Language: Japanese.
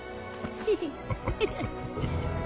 フフフ。